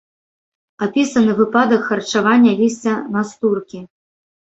Апісаны выпадак харчавання лісця настуркі.